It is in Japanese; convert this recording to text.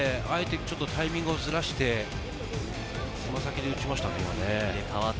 あえてタイミングをずらしてつま先で打ちましたね。